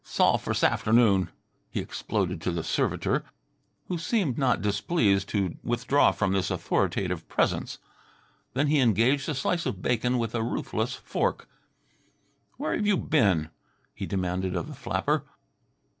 "'S all for 's aft'noon," he exploded to the servitor, who seemed not displeased to withdraw from this authoritative presence. Then he engaged a slice of bacon with a ruthless fork. "Where you been?" he demanded of the flapper.